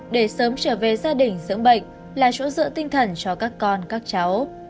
để sớm trở về gia đình dưỡng bệnh là chỗ dựa tinh thần cho các con các cháu